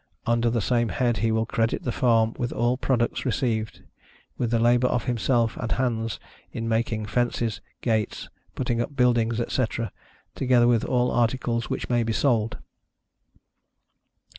Under the same head, he will credit the farm with all products received; with the labor of himself and hands in making fences, gates, putting up buildings etc., together with all articles which may be sold.